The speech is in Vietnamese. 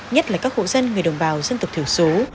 nhất là các hộ dân người đồng bào dân tộc thiểu số